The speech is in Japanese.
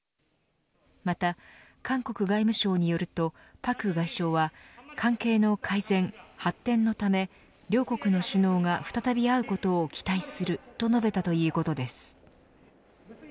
また韓国外務省によると朴外相は関係の改善発展のため、両国の首脳が再び会うことを期待すると述べたということです。